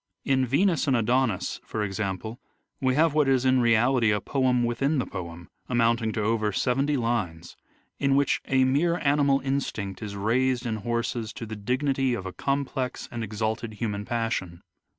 In " Venus and Adonis," for example, we have what is in reality a poem within the poem, amounting to over seventy lines, in which a mere animal instinct is raised in horses to the dignity of a complex and exalted human passion.